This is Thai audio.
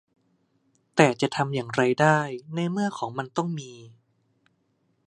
แต่จะทำอย่างไรได้ในเมื่อของมันต้องมี